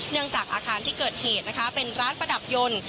จากอาคารที่เกิดเหตุนะคะเป็นร้านประดับยนต์